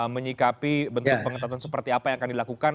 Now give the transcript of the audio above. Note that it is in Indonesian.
menyikapi bentuk pengetatan seperti apa yang akan dilakukan